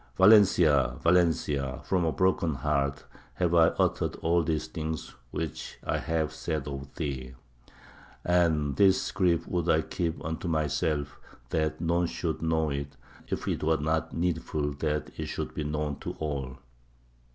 "Valencia! Valencia! from a broken heart have I uttered all these things which I have said of thee. "And this grief would I keep unto myself that none should know it, if it were not needful that it should be known to all."